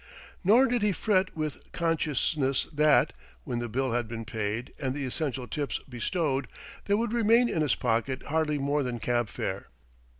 Nor did he fret with consciousness that, when the bill had been paid and the essential tips bestowed, there would remain in his pocket hardly more than cab fare.